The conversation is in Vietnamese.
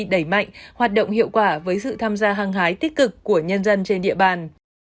đẩy mạnh hoạt động hiệu quả với sự tham gia hăng hái tích cực của nhân dân trên địa bàn